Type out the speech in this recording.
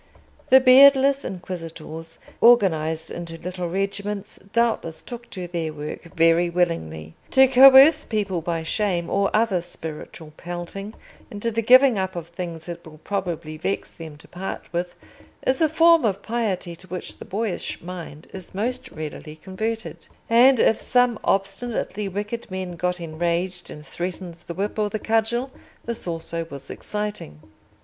The beardless inquisitors, organised into little regiments, doubtless took to their work very willingly. To coerce people by shame, or other spiritual pelting, into the giving up of things it will probably vex them to part with, is a form of piety to which the boyish mind is most readily converted; and if some obstinately wicked men got enraged and threatened the whip or the cudgel, this also was exciting.